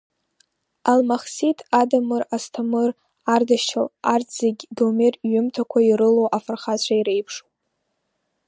Алмахсиҭ, Адамыр, Асҭамыр, Ардашьыл арҭ зегьы Гомер иҩымҭақәа ирылоу афырхацәа иреиԥшуп.